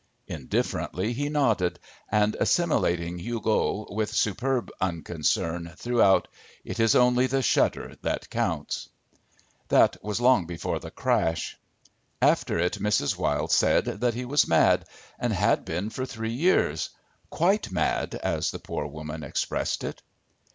Indifferently he nodded and, assimilating Hugo with superb unconcern, threw out: "It is only the shudder that counts." That was long before the crash. After it, Mrs. Wilde said that he was mad and had been for three years, "quite mad" as the poor woman expressed it.